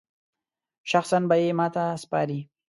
شخصاً به یې ماته سپاري.